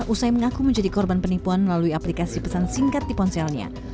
usai mengaku menjadi korban penipuan melalui aplikasi pesan singkat di ponselnya